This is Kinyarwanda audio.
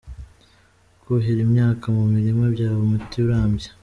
Kuhira imyaka mu mirima byaba umuti urambye.